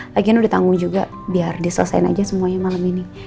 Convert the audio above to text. lagian udah ditanggung juga biar diselesain aja semuanya malam ini